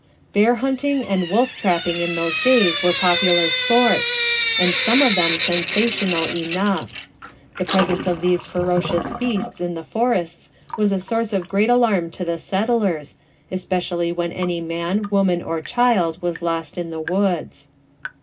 Bear hunting and wolf trapping in those days were popular sports, and some of them sensational enough. The presence of these ferocious beasts in the forests was the source of great alarm to the settlers, especially when any man, woman or child was lost in the woods.